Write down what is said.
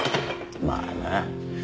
まあな。